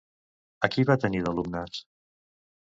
A qui va tenir d'alumnes?